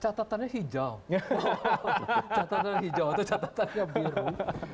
catatannya hijau atau catatannya biru